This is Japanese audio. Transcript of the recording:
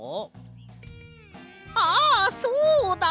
あっそうだ！